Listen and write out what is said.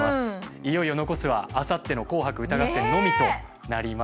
いよいよ残すはあさっての「紅白歌合戦」のみとなります。